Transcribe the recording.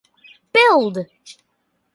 Build!